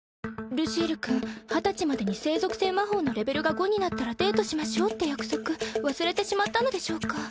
ルシエル君２０歳までに聖属性魔法のレベルが５になったらデートしましょうって約束忘れてしまったのでしょうか？